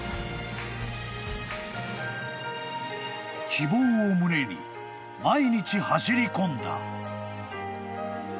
［希望を胸に毎日走り込んだ］